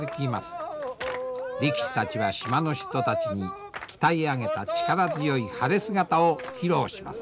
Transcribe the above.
力士たちは島の人たちに鍛え上げた力強い晴れ姿を披露します。